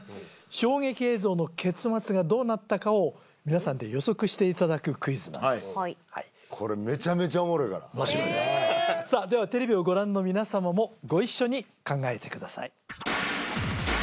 衝撃映像の結末がどうなったかを皆さんで予測していただくクイズなんです面白いですへえさあではテレビをご覧の皆様もご一緒に考えてください